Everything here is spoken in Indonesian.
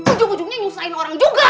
ujung ujungnya nyusahin orang juga